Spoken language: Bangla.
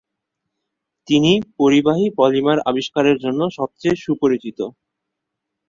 তিনি পরিবাহী পলিমার আবিষ্কারের জন্য সবচেয়ে সুপরিচিত।